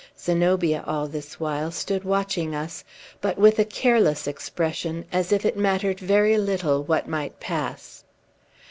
Zenobia, all this while, stood watching us, but with a careless expression, as if it mattered very little what might pass.